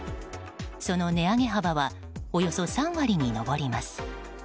その値上げ幅はおよそ３割に上ります。